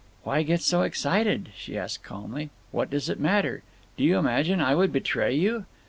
"Why get so excited?" she asked calmly. "What does it matter? Do you imagine I would betray you?